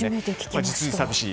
実に寂しい。